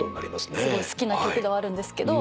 すごい好きな曲ではあるんですけど。